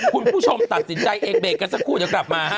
คุณผู้ชมตัดสินใจเองเบรกกันสักครู่เดี๋ยวกลับมาฮะ